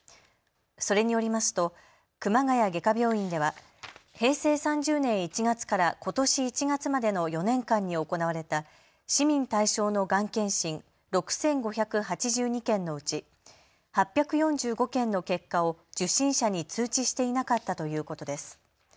それによりますと熊谷外科病院では平成３０年１月からことし１月までの４年間に行われた市民対象のがん検診６５８２件のうち８４５件の結果を受診者に通知していなかったということです。